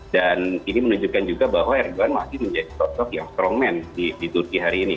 dan ini menunjukkan juga bahwa erdogan masih menjadi sosok yang strongman di turki hari ini